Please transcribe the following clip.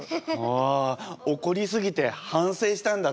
わ怒り過ぎて反省したんだって。